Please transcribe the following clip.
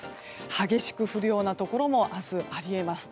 激しく降るようなところも明日、あり得ます。